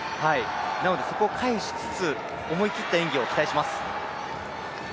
なので、そこを回避しつつ、思い切った演技を期待します。